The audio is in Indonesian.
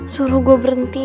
suruh gua berhenti